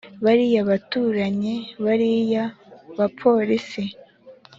bariya baturanyi bariya bapolisi